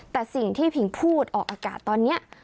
แต่สิ่งที่ผิงพูดออกอากาศตอนนี้